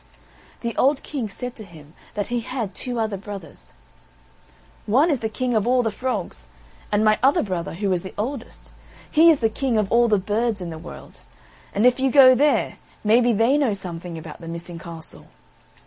The old King said to him that he had two other brothers: "One is the King of all the frogs; and my other brother, who is the oldest, he is the King of all the birds in the world. And if you go there, may be they know something about the missing castle."